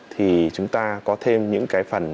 thì chúng ta có thêm những cái phần